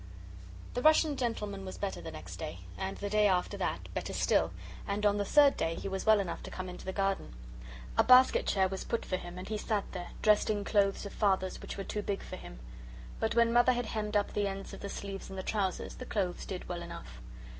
The Russian gentleman was better the next day, and the day after that better still, and on the third day he was well enough to come into the garden. A basket chair was put for him and he sat there, dressed in clothes of Father's which were too big for him. But when Mother had hemmed up the ends of the sleeves and the trousers, the clothes did well enough.